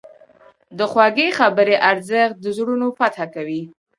د خوږې خبرې ارزښت د زړونو فتح کوي.